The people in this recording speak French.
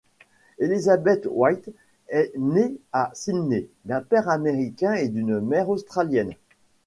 Elisabeth White est née à Sydney d'un père américain et d'une mère australienne.